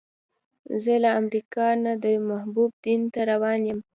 زه له امریکا نه د محبوب دیدن ته روان یو.